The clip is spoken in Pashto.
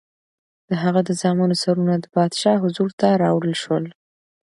د هغه د زامنو سرونه د پادشاه حضور ته راوړل شول.